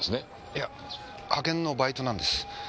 いや派遣のバイトなんです。